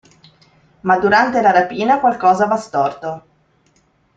Ma durante la rapina qualcosa va storto.